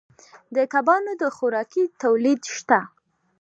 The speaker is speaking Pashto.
د کبانو د خوراکې تولید شته